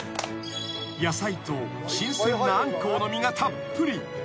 ［野菜と新鮮なアンコウの身がたっぷり］